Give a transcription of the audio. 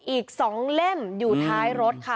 อีก๒เล่มอยู่ท้ายรถค่ะ